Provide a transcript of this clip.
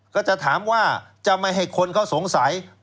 ก็จะถามว่าจะไม่ให้คนเขาสงสัย